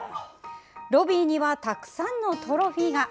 ロビーにはたくさんのトロフィーが。